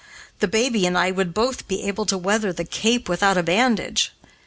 the baby and I would both be able to weather the cape without a bandage.